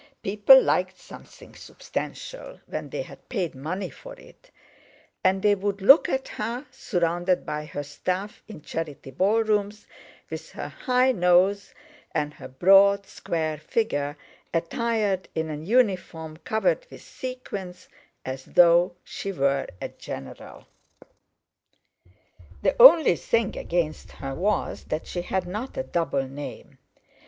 People liked something substantial when they had paid money for it; and they would look at her—surrounded by her staff in charity ballrooms, with her high nose and her broad, square figure, attired in an uniform covered with sequins—as though she were a general. The only thing against her was that she had not a double name.